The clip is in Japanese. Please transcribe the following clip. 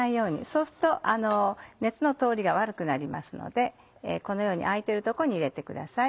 そうすると熱の通りが悪くなりますのでこのように空いてるとこに入れてください。